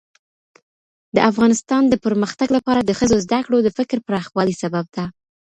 . د افغانستان د پرمختګ لپاره د ښځو زدهکړه د فکر پراخوالي سبب ده